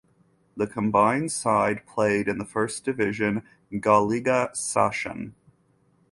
The combined side played in the first division Gauliga Sachsen.